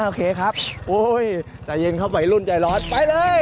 โอเคครับโอ้โหใจเย็นเข้าไปรุ่นใจร้อนไปเลย